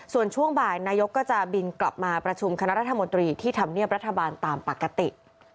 ส่วนช่วงบ่ายนายกก็จะบินกลับมาประชุมคณะรัฐมนตรีที่ทำเนียบรัฐบาลตามปกติ